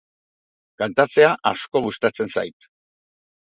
kantatzea asko gustatzen zait